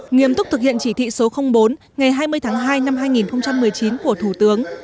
nghiêm túc thực hiện chỉ thị số bốn ngày hai mươi tháng hai năm hai nghìn một mươi chín của thủ tướng